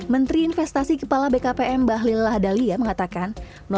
menteri investasi kepala bkpm mbah lillah dahlia mengatakan